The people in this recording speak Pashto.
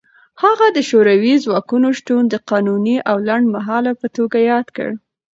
هغه د شوروي ځواکونو شتون د قانوني او لنډمهاله په توګه یاد کړ.